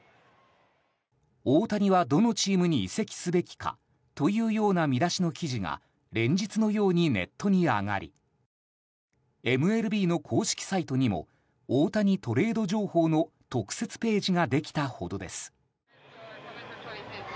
大谷はどのチームに移籍すべきかというような見出しの記事が連日のようにネットに上がりＭＬＢの公式サイトにも大谷トレード情報の特設ページができたほどです。